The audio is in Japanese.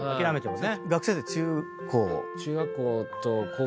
学生って中高？